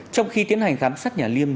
trong khi tiến hành khám sát nhà liêm